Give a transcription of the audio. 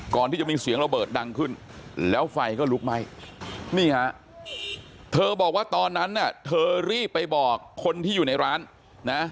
ก่อนที่จะมีเสียงระเบิดดังขึ้นแล้วไฟก็ลุกไหม้นี่ฮะเธอบอกว่าตอนนั้นน่ะเธอรีบไปบอกคนที่อยู่ในร้านนะ